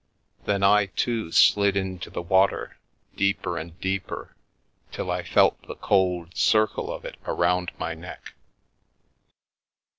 Then I, too, slid into the water, deeper and deeper, till I felt the cold circle of it around my neck.